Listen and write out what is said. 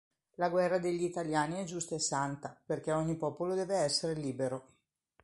La guerra degli italiani è giusta e santa perché ogni popolo deve essere libero.